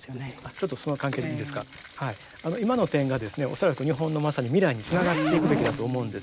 恐らく日本のまさに未来につながっていくべきだと思うんですよ。